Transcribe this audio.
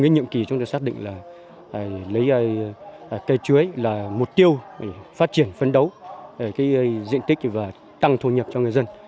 trong nhiệm kỳ chúng tôi xác định lấy cây chuối là mục tiêu phát triển phấn đấu diện tích và tăng thu nhập cho người dân